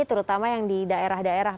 terutama yang di daerah daerah